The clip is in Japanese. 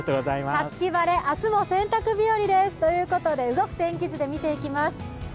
五月晴れ、明日も洗濯日和ですということで、動く天気図で見ていきます。